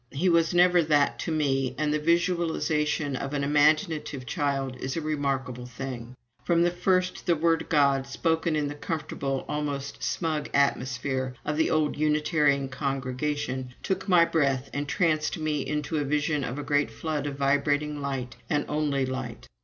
He was never that to me, and the visualization of an imaginative child is a remarkable thing. From the first, the word "God," spoken in the comfortable (almost smug) atmosphere of the old Unitarian congregation, took my breath and tranced me into a vision of a great flood of vibrating light, and only light.